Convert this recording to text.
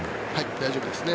大丈夫ですね。